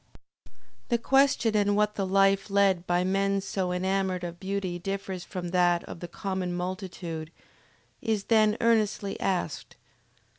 The question in what the life led by men so enamored of beauty differs from that of the common multitude, is then earnestly asked.